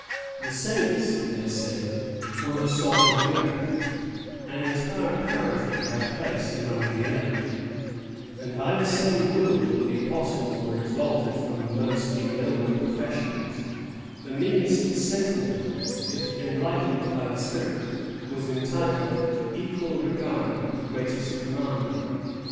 The saints, they said, were the salt of the earth: an entire parity had place among the elect; and by the same rule that the apostles were exalted from the most ignoble professions, the meanest sentinel, if enlightened by the Spirit, was entitled to equal regard with the greatest commander.